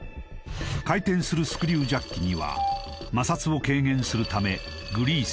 回転するスクリュージャッキには摩擦を軽減するためグリース